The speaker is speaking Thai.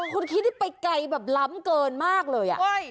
คุณคิดไปไกลแบบล้ำเกินมากเลยอ่ะเห้ย